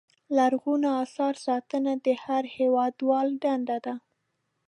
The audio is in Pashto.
لرغونو اثارو ساتنه د هر هېوادوال دنده ده.